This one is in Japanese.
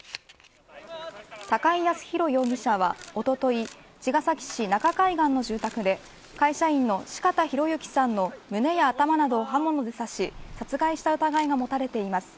高井靖弘容疑者は、おととい茅ヶ崎市中海岸の住宅で会社員の四方洋行さんの胸や頭などを刃物で刺し殺害した疑いが持たれています。